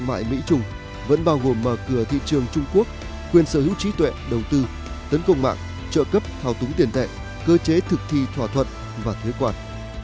đàm phán thương mại mỹ trung vẫn bao gồm mở cửa thị trường trung quốc khuyên sở hữu trí tuệ đầu tư tấn công mạng trợ cấp thảo túng tiền tệ cơ chế thực thi thỏa thuận và thuế quản